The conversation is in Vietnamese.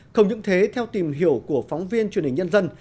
không những thế theo tìm hiểu của phóng viên truyền hình nhân dân